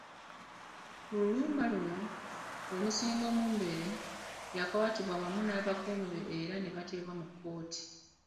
Mu lulumba luno, Omusinga Mumbere, yakwatibwa wamu n'abakuumi be era nebasimbibwa mu kkooti.